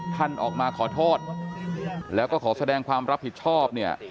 ท่านออกมาขอโทษแล้วก็ขอแสดงความรับผิดชอบเนี่ย